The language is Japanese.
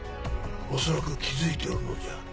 恐らく気付いておるのじゃ。